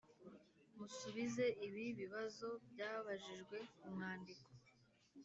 musubize ibi bibazo byabajijwe ku mwandiko